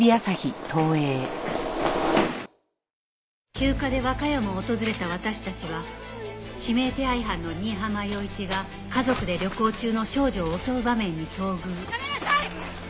休暇で和歌山を訪れた私たちは指名手配犯の新浜陽一が家族で旅行中の少女を襲う場面に遭遇